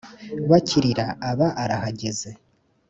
bakirira; aba arahageze